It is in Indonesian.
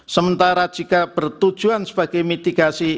sementara jika bertujuan sebagai mitigasi